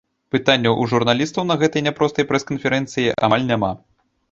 Пытанняў у журналістаў на гэтай няпростай прэс-канферэнцыі амаль няма.